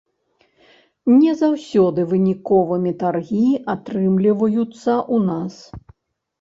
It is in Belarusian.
Не заўсёды выніковымі таргі атрымліваюцца ў нас.